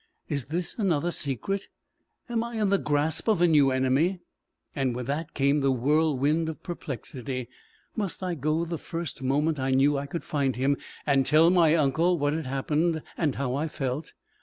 Is this another secret? Am I in the grasp of a new enemy?" And with that came the whirlwind of perplexity. Must I go the first moment I knew I could find him, and tell my uncle what had happened, and how I felt?